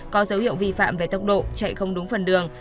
có dấu hiệu vi phạm về tốc độ chạy không đúng phần đường